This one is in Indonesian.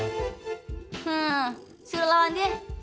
hmm suruh lawan dia